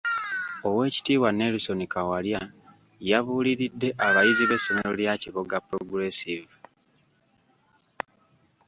Oweekitiibwa Nelson Kawalya yabuuliridde abayizi b'essomero lya Kiboga Progressive.